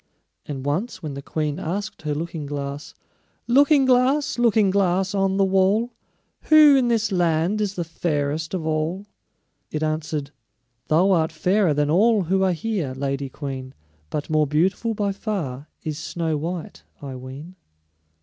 And once when the queen asked her Looking glass: "Looking glass, Looking glass, on the wall, Who in this land is the fairest of all?" it answered: "Thou art fairer than all who are here, Lady Queen, But more beautiful by far is Snow white, I ween."